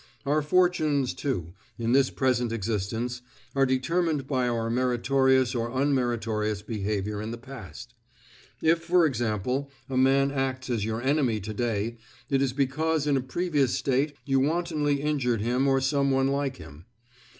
Our fortunes, too, in this present existence, are determined by our meritorious or unmeritorious behavior in the past. If, for example, a man acts as your enemy to day, it is because in a previous state you wantonly injured him or some one like him.